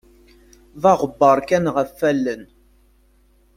D aɣebbaṛ kan ɣef allen.